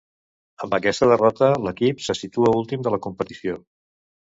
Amb aquesta derrota l'equip se situa últim de la competició.